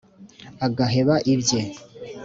agaheba ibye,